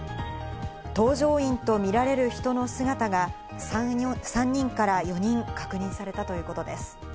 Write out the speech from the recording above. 搭乗員とみられる人の姿が、３人から４人、確認されたということです。